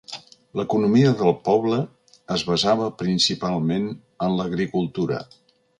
L'economia del poble es basava principalment en l'agricultura.